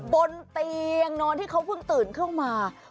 บนเตียงนอนที่เขาเพิ่งตื่นขึ้นมา